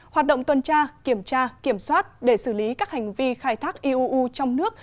hoạt động tuần tra kiểm tra kiểm soát để xử lý các hành vi khai thác iuu trong nước